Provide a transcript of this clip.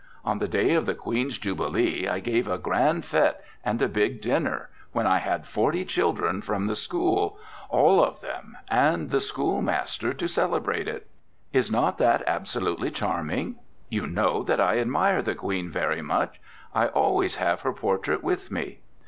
On the day of the Queen's Jubilee I gave a grand fête and a big dinner, when I had forty children from the school, all of them, and the schoolmaster, to celebrate it. Is not that absolutely charming? You know that I admire the Queen very much. I always have her portrait with me.'